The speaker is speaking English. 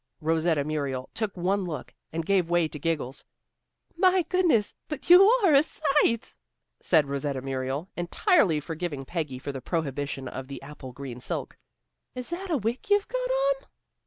Rosetta Muriel took one look, and gave way to giggles. "My goodness, but you are a sight," said Rosetta Muriel, entirely forgiving Peggy for the prohibition of the apple green silk. "Is that a wig you've got on?"